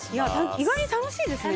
意外に楽しいですね